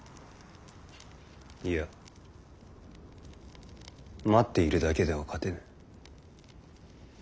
いや待っているだけでは勝てぬ。